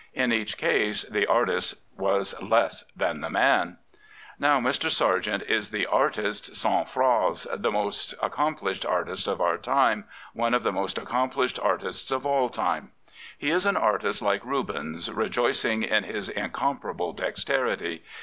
In each case the artist was less than the man. Now Mr. Sargent is the artist sans phrase — the most accomplished artist of our time, one of the most accomplished artists of all time. He is an artist like Rubens, rejoicing in his incomparable dexterity.